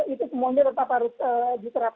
itu semuanya tetap harus diterapkan